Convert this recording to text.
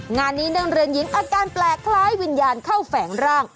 งานนี้นักเรียนหญิงอาการแปลกคล้ายวิญญาณเข้าแฝงร่าง